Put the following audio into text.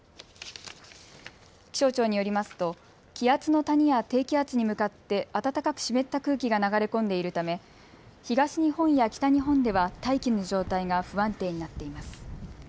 気象庁によりますと気圧の谷や低気圧に向かって暖かく湿った空気が流れ込んでいるため東日本や北日本では大気の状態が不安定になっています。